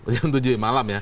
jam tujuh malam ya